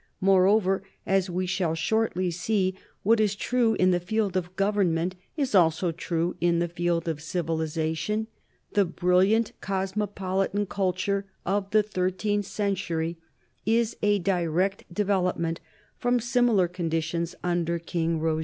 Moreover, as we shall shortly see, what is true in the field of government is also true in the field of civilization : the brilliant cos mopolitan culture of the thirteenth century is a di rect development from similar conditions under King Roger.